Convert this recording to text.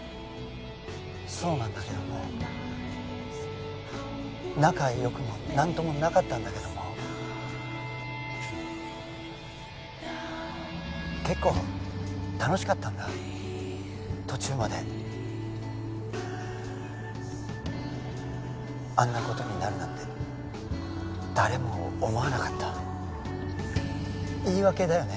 そうなんだけども仲よくも何ともなかったんだけども結構楽しかったんだ途中まであんなことになるなんて誰も思わなかった言い訳だよね